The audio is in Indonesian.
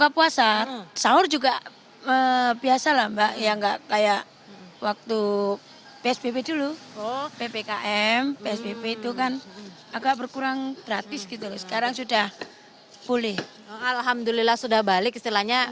pas berbuka puasa